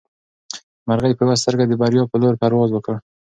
مرغۍ په یوه سترګه د بریا په لور پرواز وکړ.